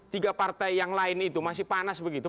tiga partai yang lain itu masih panas begitu